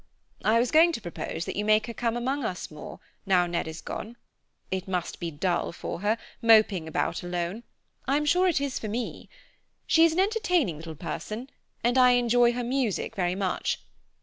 "I was going to propose that you make her come among us more, now Ned is gone. It must be dull for her, moping about alone. I'm sure it is for me. She is an entertaining little person, and I enjoy her music very much.